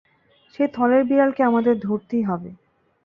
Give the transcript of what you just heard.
সেই থলের বিড়ালকে আমাদের ধরতেই হবে।